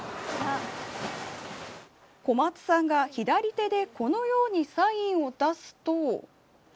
小松さんが左手でこのようにサインを出すと。